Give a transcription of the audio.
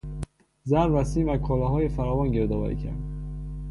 زر و سیم و کالاهای فراوان گردآوری کرد.